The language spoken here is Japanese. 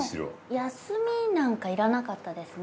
休みなんかいらなかったですね。